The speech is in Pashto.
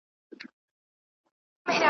ده په ژوند داسي دانه نه وه لیدلې .